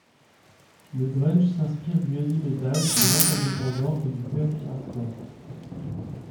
Le grunge s'inspire du heavy metal, du rock indépendant et du punk hardcore.